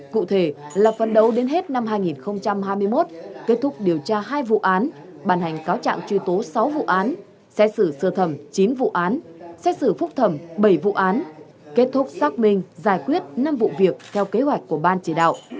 cụ thể là phân đấu đến hết năm hai nghìn hai mươi một kết thúc điều tra hai vụ án bàn hành cáo trạng truy tố sáu vụ án xét xử sơ thẩm chín vụ án xét xử phúc thẩm bảy vụ án kết thúc xác minh giải quyết năm vụ việc theo kế hoạch của ban chỉ đạo